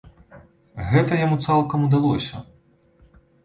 Гэта яму цалкам удалося.